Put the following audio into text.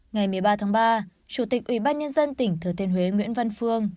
ngày một mươi ba tháng ba chủ tịch ủy ban nhân dân tỉnh thừa thiên huế nguyễn văn phương